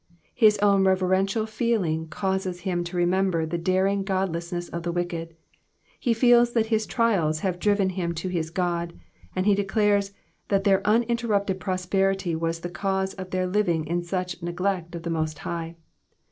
'*^ His own reverential feeling causes him to remember the dating god lessness of the wicked ; he feels that his trials have driven him to his God, and he declares that their uninterrupted prosperity was the cause of their living in such neglect of the Most High.